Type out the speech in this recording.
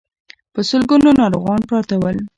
په سلګونو ناروغان پراته ول.